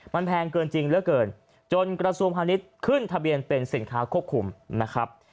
มันแพงเกินจริงเหลือเกินจนกระทรวงพาณิชย์ขึ้นทะเบียนเป็นสินค้าควบคุมนะครับ